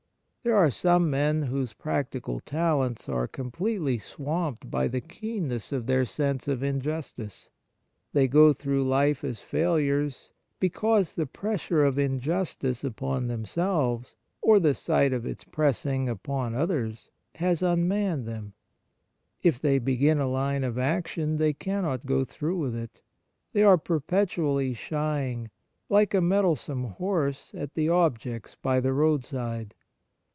There are some men whose practical talents are completely swamped by the keenness of their sense of injustice. They go through life as failures because the pressure of 24 Kindness injustice upon themselves, or the sight of its pressing upon others, has unmanned them. If they begin a Une of action, they cannot go through with it. They are per petually shying, like a mettlesome horse, at the objects by the roadside.